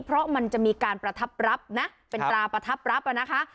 เพราะมันจะมีการประทับรับนะเป็นตราประทับรับอ่ะนะคะ